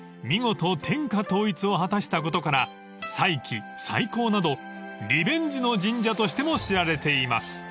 見事天下統一を果たしたことから再起再興などリベンジの神社としても知られています］